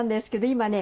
今ね